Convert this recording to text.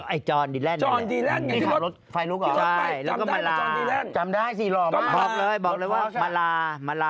ไอจอห์นดีแลน